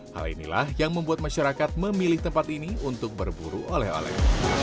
hal inilah yang membuat masyarakat memilih tempat ini untuk berburu oleh oleh